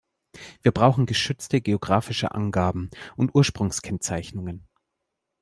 Wir brauchen geschützte geografische Angaben und Ursprungskennzeichnungen.